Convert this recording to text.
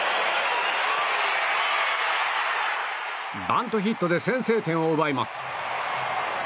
バントヒットで先制点を奪います。